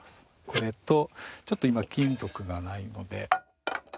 これとちょっと今金属がないので。